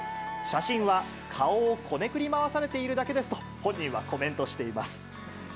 写真は顔をこねくり回されているだけですと本人はコメントしています。